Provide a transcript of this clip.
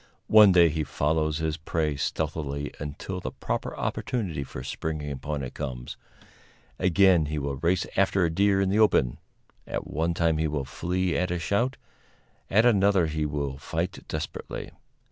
One day he follows his prey stealthily until the proper opportunity for springing upon it comes; again he will race after a deer in the open; at one time he will flee at a shout, at another he will fight desperately.